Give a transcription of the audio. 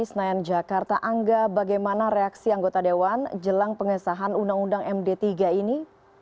senayan jakarta angga bagaimana reaksi anggota dewan jelang pengesahan undang undang md tiga ini